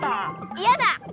いやだ！